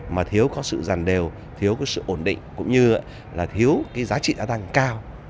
mà thiếu có sự giàn đều thiếu sự ổn định cũng như là thiếu giá trị tăng cao